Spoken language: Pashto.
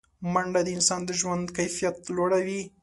منډه د انسان د ژوند کیفیت لوړوي